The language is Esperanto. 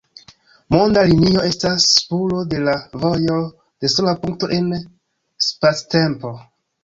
Monda linio estas spuro de la vojo de sola punkto en spactempo.